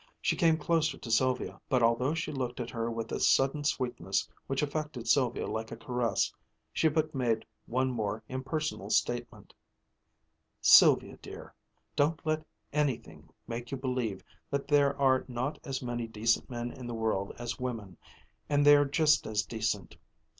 She came closer to Sylvia, but although she looked at her with a sudden sweetness which affected Sylvia like a caress, she but made one more impersonal statement: "Sylvia dear, don't let anything make you believe that there are not as many decent men in the world as women, and they're just as decent.